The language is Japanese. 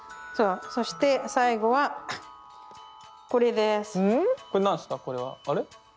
そして最後はこれです。